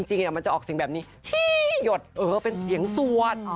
จริงมันจะออกเสียงแบบนี้ชี้หยดเป็นเสียงสวด